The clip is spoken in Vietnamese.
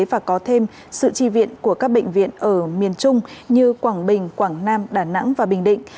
và có thêm sự tri viện của các bệnh viện ở miền trung như quảng bình quảng nam đà nẵng và bình định